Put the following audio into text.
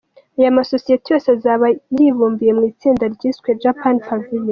Aya masosiyete yose azaba yibumbiye mu itsinda ryiswe ‘Japan Pavillion’.